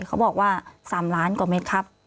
เขาบอกว่า๓ล้านกว่าเม็ดครับ